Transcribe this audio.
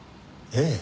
ええ。